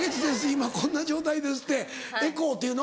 今こんな状態ですってエコーっていうの？